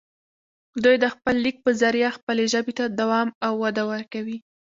دوي دَ خپل ليک پۀ زريعه خپلې ژبې ته دوام او وده ورکوي